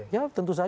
ya tentu saja tidak